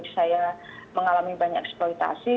saya mengalami banyak eksploitasi